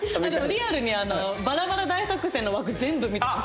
リアルに『バラバラ大作戦』の枠全部見てます。